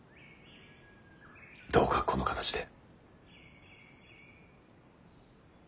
どうかこの形で。